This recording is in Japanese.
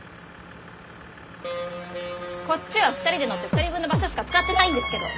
こっちは２人で乗って２人分の場所しか使ってないんですけど！